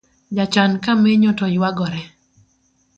Jachan kamenyo to yuagore